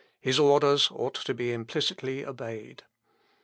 His orders ought to be implicitly obeyed.